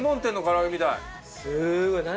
すごい！何？